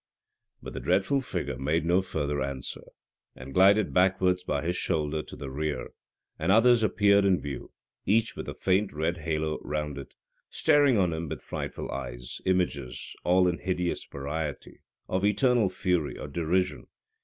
But the dreadful figure made no further answer, and glided backwards by his shoulder to the rear; and others appeared in view, each with a faint red halo round it, staring on him with frightful eyes, images, all in hideous variety, of eternal fury or derision.